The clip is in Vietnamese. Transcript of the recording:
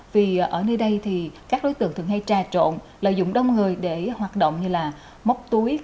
vì ở nơi đây thì các đối tượng thường hay trà trộn lợi dụng đông người để hoạt động như là móc túi